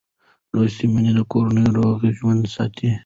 لوستې میندې د کورنۍ روغ ژوند ساتي.